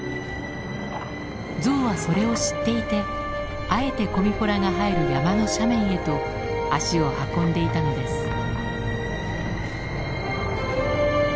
ゾウはそれを知っていてあえてコミフォラが生える山の斜面へと足を運んでいたのです。